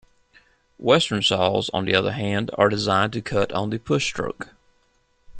Western saws, on the other hand, are designed to cut on the push stroke.